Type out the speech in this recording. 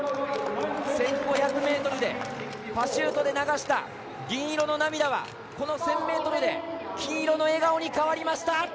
１５００ｍでパシュートで流した銀色の涙は、この１０００ｍで金色の笑顔に変わりました。